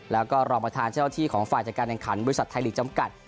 แล้วก็รองประธานเจ้าที่ของฝ่ายจัดการแข่งขันบริษัทไทยลีกจำกัด